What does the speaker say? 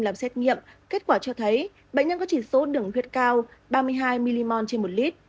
làm xét nghiệm kết quả cho thấy bệnh nhân có chỉ số đường huyết cao ba mươi hai mmol trên một lít